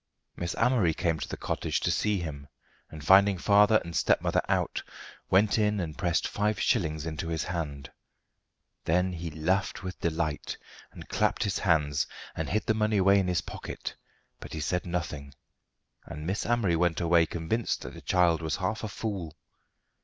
Miss Amory came to the cottage to see him, and finding father and stepmother out, went in and pressed five shillings into his hand. Then he laughed with delight, and clapped his hands, and hid the money away in his pocket, but he said nothing, and Miss Amory went away convinced that the child was half a fool.